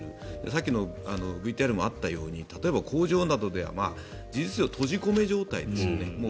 さっきのＶＴＲにもあったように例えば、工場などでは事実上、閉じ込め状態ですよね。